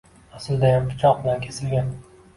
Aslidayam pichoq bilan kesilgan